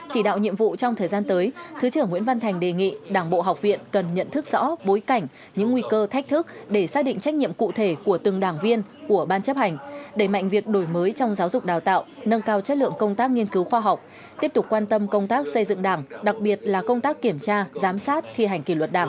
chỉ đạo nhiệm vụ trong thời gian tới thứ trưởng nguyễn văn thành đề nghị đảng bộ học viện cần nhận thức rõ bối cảnh những nguy cơ thách thức để xác định trách nhiệm cụ thể của từng đảng viên của ban chấp hành đẩy mạnh việc đổi mới trong giáo dục đào tạo nâng cao chất lượng công tác nghiên cứu khoa học tiếp tục quan tâm công tác xây dựng đảng đặc biệt là công tác kiểm tra giám sát thi hành kỷ luật đảng